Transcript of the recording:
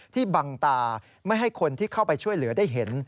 บังตาไม่ให้คนที่เข้าไปช่วยเหลือได้เห็น